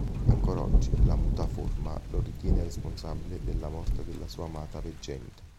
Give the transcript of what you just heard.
Ancora oggi la mutaforma lo ritiene responsabile della morte della sua amata veggente.